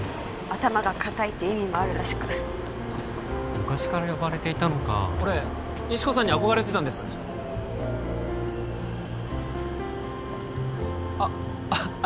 頭が固いって意味もあるらしく昔から呼ばれていたのか俺石子さんに憧れてたんですあっあっ